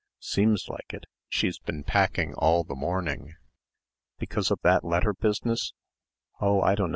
"Seems like it she's been packing all the morning." "Because of that letter business?" "Oh, I dunno.